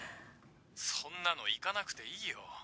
そんなの行かなくていいよ。